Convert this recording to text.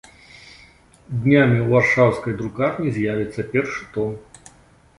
Днямі ў варшаўскай друкарні з'явіцца першы том.